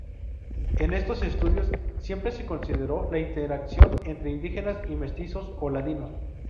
En estos estudios siempre se consideró la interacción entre indígenas y mestizos o ladinos.